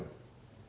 mana pakai sepeda